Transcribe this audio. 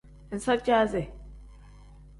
Iza caasi.